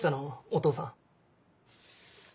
お父さん。